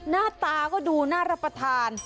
หน้าตาก็ดูน่ารับประทาน